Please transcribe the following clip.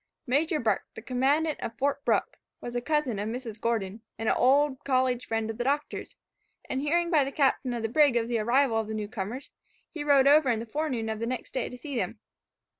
Major Burke, the commandant of Fort Brooke, was a cousin of Mrs. Gordon, and an old college friend of the Doctor, and hearing by the captain of the brig of the arrival of the new comers, he rode over in the forenoon of the next day to see them.